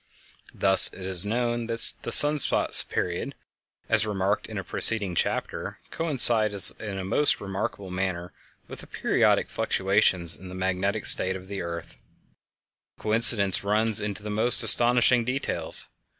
Thus, it is known that the sun spot period, as remarked in a preceding chapter, coincides in a most remarkable manner with the periodic fluctuations in the magnetic state of the earth. This coincidence runs into the most astonishing details.